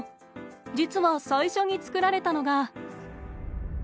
実は最初に作られたのが。